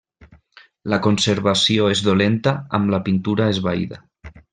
La conservació és dolenta amb la pintura esvaïda.